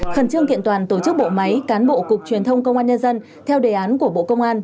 khẩn trương kiện toàn tổ chức bộ máy cán bộ cục truyền thông công an nhân dân theo đề án của bộ công an